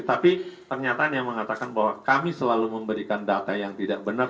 tapi pernyataan yang mengatakan bahwa kami selalu memberikan data yang tidak benar